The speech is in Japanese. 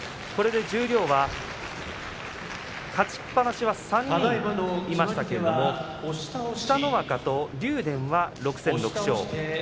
これで十両は勝ちっぱなしは３人いましたけれども北の若と竜電は６戦６勝。